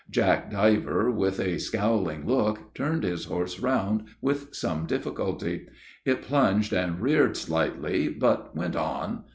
Jack Diver with a scowling look, turned his horse round with some difficulty. It plunged and reared slightly, but went on.